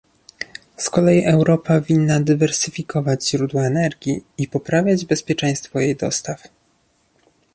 Z kolei Europa winna dywersyfikować źródła energii i poprawiać bezpieczeństwo jej dostaw